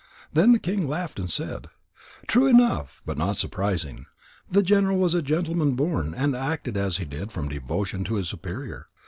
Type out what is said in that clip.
Then the king laughed and said: "True enough, but not surprising. The general was a gentleman born, and acted as he did from devotion to his superior.